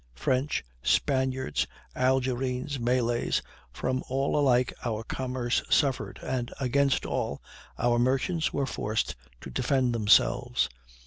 French, Spaniards, Algerines, Malays, from all alike our commerce suffered, and against all, our merchants were forced to defend themselves.